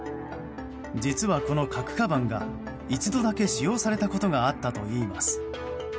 実は、この核かばんが一度だけ使用されたことがあったといいます。